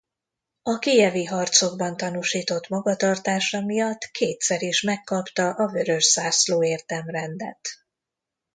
A kijevi harcokban tanúsított magatartása miatt kétszer is megkapta a Vörös Zászló Érdemrendet.